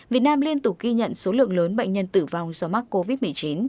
việt nam liên tục ghi nhận số lượng lớn bệnh nhân tử vong do mắc covid một mươi chín